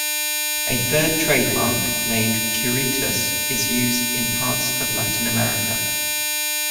A third trademark, named "Curitas", is used in parts of Latin America.